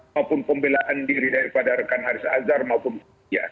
maupun pembelaan diri daripada rekan aris azhar maupun ya